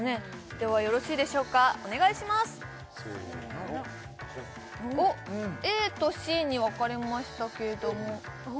ではよろしいでしょうかお願いしますせのＡとＣに分かれましたけどもああ